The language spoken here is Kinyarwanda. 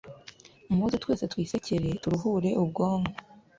muze twese twisekere turuhura ubwonko